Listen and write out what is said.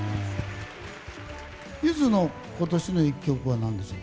ゆずの今年の１曲は何でしょう？